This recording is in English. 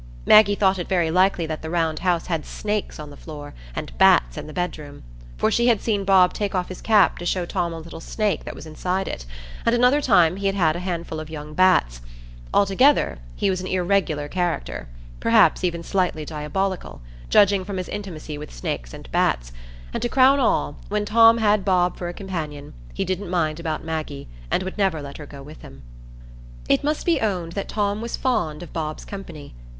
Maggie thought it very likely that the round house had snakes on the floor, and bats in the bedroom; for she had seen Bob take off his cap to show Tom a little snake that was inside it, and another time he had a handful of young bats: altogether, he was an irregular character, perhaps even slightly diabolical, judging from his intimacy with snakes and bats; and to crown all, when Tom had Bob for a companion, he didn't mind about Maggie, and would never let her go with him. It must be owned that Tom was fond of Bob's company.